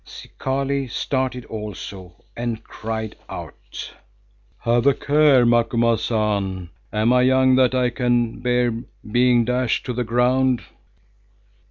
Zikali started also and cried out, "Have a care, Macumazahn. Am I young that I can bear being dashed to the ground?"